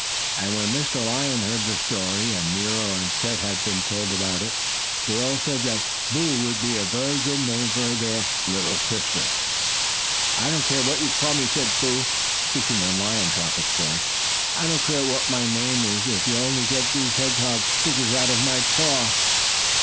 And when Mr. Lion heard the story, and Nero and Chet had been told about it, they all said that "Boo" would be a very good name for the little sister lion. "I don't care what you call me," said Boo, speaking in lion talk of course. "I don't care what my name is, if you'll only get these hedgehog stickers out of my paw."